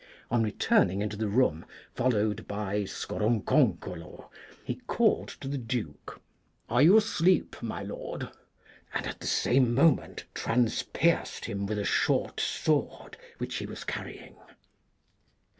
On returning into the room, followed by Scoron concolo, he called to the Duke :' Are you asleep, my lord ?' and at the same moment transpierced him with a short sword which he was carrying.